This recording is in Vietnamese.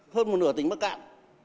hơn một nửa tỉnh bắc cạn